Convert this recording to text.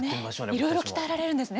いろいろ鍛えられるんですね